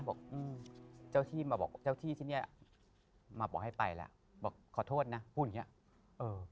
บอกว่าเจ้าที่ที่นี่มาบอกให้ไปแล้วบอกขอโทษนะพูดอย่างนี้